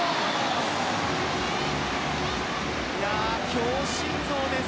強心臓です。